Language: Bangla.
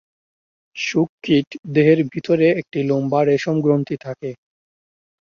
শূককীট দেহের ভিতরে একটি লম্বা রেশম গ্রন্থি থাকে।